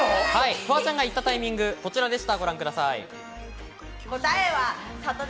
フワちゃんが言ったタイミングはこちらでした。